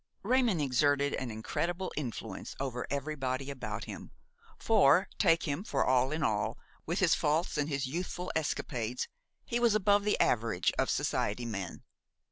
Raymon exerted an incredible influence over everybody about him; for, take him for all in all, with his faults and his youthful escapades, he was above the average of society men.